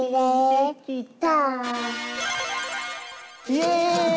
イエーイ！